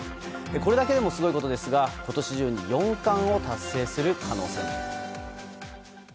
これだけでもすごいことですが今年中に四冠を達成する可能性も。